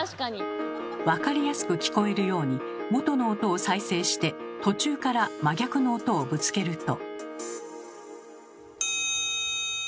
分かりやすく聞こえるように元の音を再生して途中から真逆の音をぶつけると。